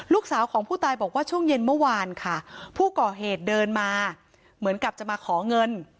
ลูกสาวของผู้ตายบอกว่าช่วงเย็นเมื่อวานค่ะผู้ก่อเหตุเดินมาเหมือนกับจะมาขอเงิน